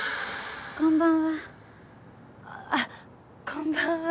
こんばんは。